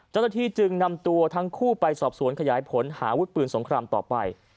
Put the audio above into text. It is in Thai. เจ้าหน้าที่จึงนำตัวทั้งคู่ไปสอบสวนขยายผลหาวุฒิปืนสงครามต่อไป